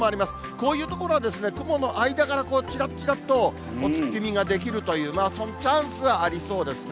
こういうところは雲の間からちらっちらっとお月見ができるという、チャンスはありそうですね。